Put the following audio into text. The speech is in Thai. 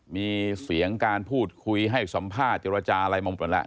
มีเสียงการพูดคุยให้สัมภาษณ์เจรจาอะไรมาหมดแล้ว